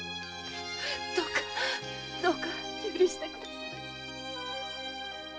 どうかどうか許してください！